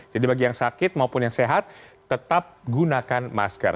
jadi bagi yang sakit maupun yang sehat tetap gunakan masker